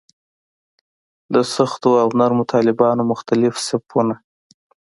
د سختو او نرمو طالبانو مختلف صفونه.